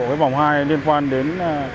cái vòng hai liên quan đến